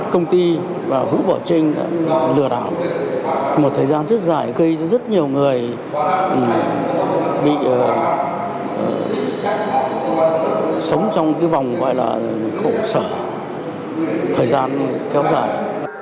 công ty và vũ bảo trinh đã lừa đảo một thời gian rất dài gây rất nhiều người bị sống trong cái vòng gọi là khổ sở thời gian kéo dài